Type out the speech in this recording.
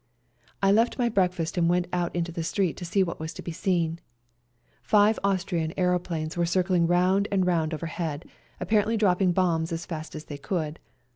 I left my breakfast and went out into the street to see what was to be seen. Five Austrian aeroplanes were circ ling round and round overhead, apparently dropping bombs as fast as they could.